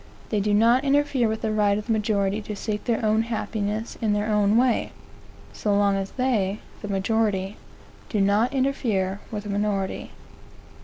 They do not interfere with the right of the majority to seek their own happiness in their own way, so long as they (the majority) do not interfere with the minority.